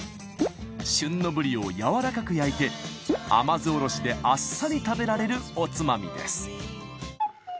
旬のブリをやわらかく焼いて甘酢おろしであっさり食べられるおつまみです